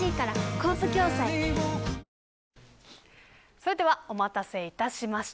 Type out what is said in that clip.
それではお待たせいたしました。